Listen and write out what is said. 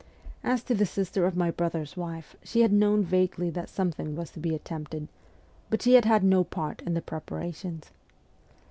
As to the sister of my brother's wife, she had known vaguely that something was to be attempted, but she had had no part in the preparations.